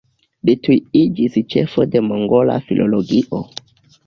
Li tuj iĝis ĉefo de mongola filologio.